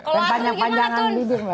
kalau harus gimana tun